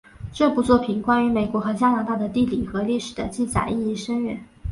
这部作品关于美国和加拿大的地理和历史的记载意义深远。